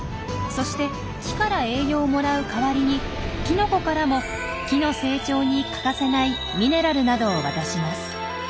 そして木から栄養をもらう代わりにキノコからも木の成長に欠かせないミネラルなどを渡します。